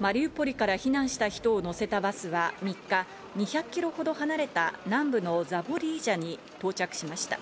マリウポリから避難した人を乗せたバスは３日、２００キロほど離れた南部のザポリージャに到着しました。